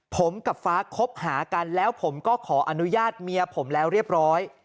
ผมกับฟ้าคบหากันแล้วผมก็ขออนุญาตเมียผมแล้วเรียบร้อย